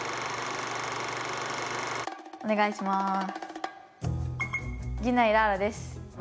お願いします。